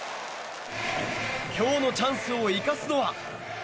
今日のチャンスを生かすのは？